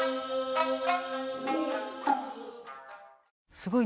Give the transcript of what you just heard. すごい。